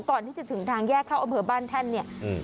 ก่อนที่จึงทางแยกเข้าบ้านแท่นเนี่ย